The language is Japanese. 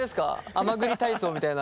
甘栗体操みたいな。